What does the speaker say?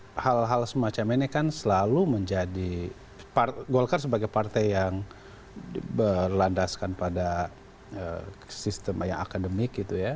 dan tentu hal hal semacam ini kan selalu menjadi golkar sebagai partai yang berlandaskan pada sistem yang akademik gitu ya